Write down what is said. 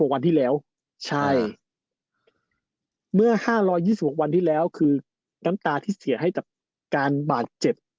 วันที่แล้วใช่เมื่อ๕๒๖วันที่แล้วคือน้ำตาที่เสียให้กับการบาดเจ็บ